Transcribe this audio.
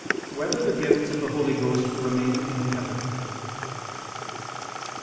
6] Whether the Gifts of the Holy Ghost Remain in Heaven?